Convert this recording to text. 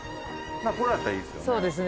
これやったらいいですよね。